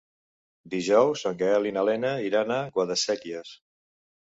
Dijous en Gaël i na Lena iran a Guadasséquies.